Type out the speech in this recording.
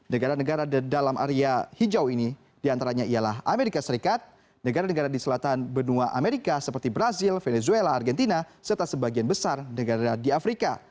negara negara dalam area hijau ini diantaranya ialah amerika serikat negara negara di selatan benua amerika seperti brazil venezuela argentina serta sebagian besar negara di afrika